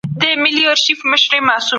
دا اثر د محصلینو لپاره مناسب دی.